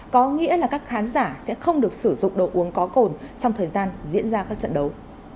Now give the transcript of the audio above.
có nghĩa là các khán giả sẽ không được sử dụng đồ uống có cồn trong thời gian diễn ra các trận đấu